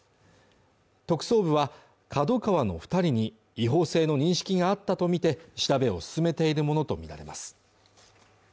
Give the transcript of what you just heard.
特捜部はＫＡＤＯＫＡＷＡの二人に違法性の認識があったとみて調べを進めているものと見られます